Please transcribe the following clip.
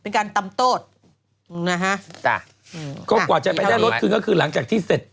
เป็นการตำโต้นะฮะจ้ะอืมก็กว่าจะไปได้รถคืนก็คือหลังจากที่เสร็จ